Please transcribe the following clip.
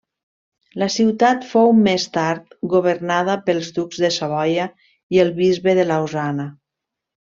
La ciutat fou més tard governada pels ducs de Savoia i el Bisbe de Lausana.